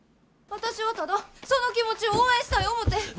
私はただその気持ちを応援したい思て。